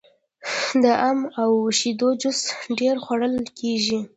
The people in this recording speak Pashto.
د ام او شیدو جوس ډیر خوړل کیږي.